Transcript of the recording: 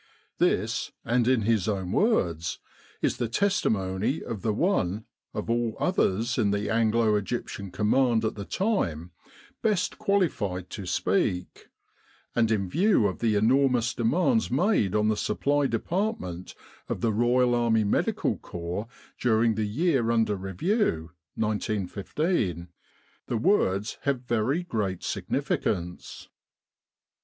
This, and in his own words, is the testimony of the one, of all others in the Anglo Egyptian Command at the time, best qualified to speak ; and in view of the enormous demands made on the supply department of the Royal Army Medical Corps during the year under review, 1915, the words have very great significance.